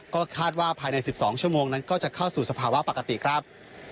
ก็คาดว่าภายใน๑๒ชั่วโมงนั้นก็จะเข้าสู่สภาวะปกติครับ